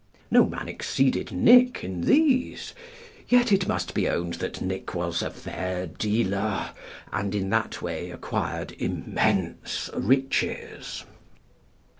No man exceeded Nic. in these; yet it must be owned that Nic. was a fair dealer, and in that way acquired immense riches.